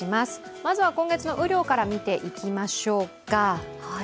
まずは今月の雨量から見ていきましょうか。